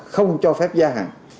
không cho phép gia hàng